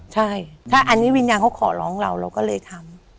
ใช่ถ้าอันนี้วิญญาณเขาขอร้องเราเราก็เลยทำ